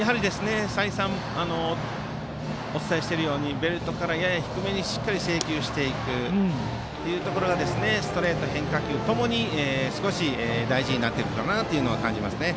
再三お伝えしているようにベルトからやや低めにしっかり制球していくというところがストレート、変化球ともに大事になっていると感じますね。